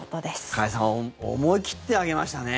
加谷さん思い切って上げましたね。